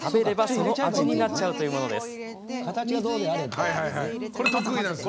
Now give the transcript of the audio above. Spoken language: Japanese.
その味になっちゃうというものです。